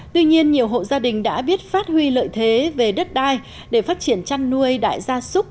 tuy nhiên nhiều hộ gia đình đã biết phát huy lợi thế về đất đai để phát triển chăn nuôi đại gia súc